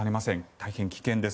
大変危険です。